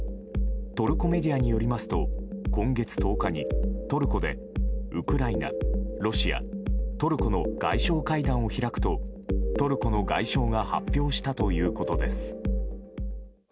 トルコメディアによりますと今月１０日にトルコでウクライナ、ロシアトルコの外相会談を開くとトルコの外相が発表したということです。